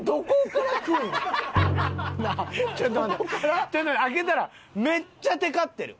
開けたらめっちゃテカってる！